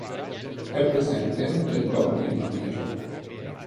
È presente anche il babbuino nero.